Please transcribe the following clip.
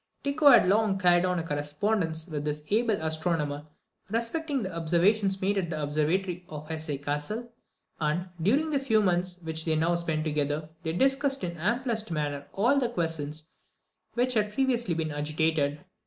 Tycho had long carried on a correspondence with this able astronomer respecting the observations made at the observatory of Hesse Cassel, and, during the few months which they now spent together, they discussed in the amplest manner all the questions which had previously been agitated.